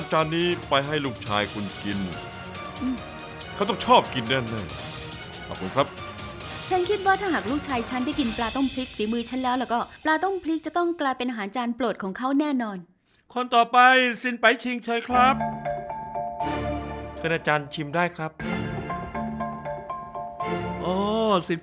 ฉันสามารถที่จะแข่งกับจางนี้ได้